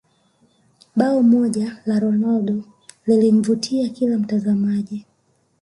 bao moja la ronaldo lilimvutia kila mtazamaji